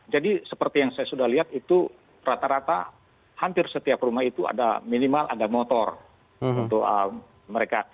jadi seperti yang saya sudah lihat itu rata rata hampir setiap rumah itu ada minimal ada motor untuk mereka